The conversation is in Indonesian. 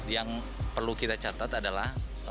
yang perlu kita catat adalah